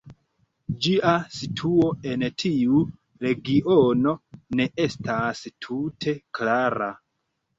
Ĝia situo en tiu regiono ne estas tute klara.